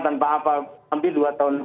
tanpa apa hampir dua tahun